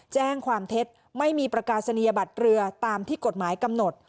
แจ้งความเท็จไม่มีประกาศนียบัตรเรือตามที่กฎหมายกำหนด